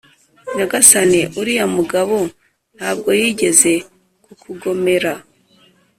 nyagasani uriya mugabo nta bwo yigeze kukugomera